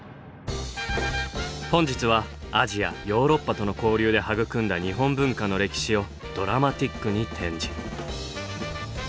本日はアジアヨーロッパとの交流で育んだ日本文化の歴史をドラマティックに展示。